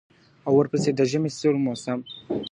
او ورپسې د ژمي سوړ موسم .